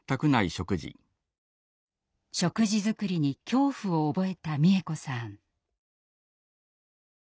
食事作りに恐怖を覚えた美枝子さん。